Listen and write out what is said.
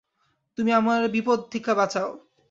তুমি আমারে বিপদ থাইক্যা বাঁচাও।